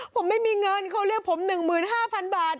ผมไม่มีเงินเขาเรียกผม๑๕๐๐๐บาท